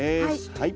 はい。